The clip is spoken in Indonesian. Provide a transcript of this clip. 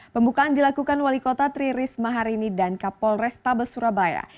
pembukaan dilakukan wali kota tri risma harini dan kapol restabes surabaya